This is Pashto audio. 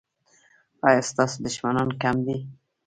ایا ستاسو دښمنان کم دي؟